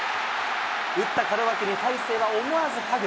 打った門脇に大勢が思わずハグ。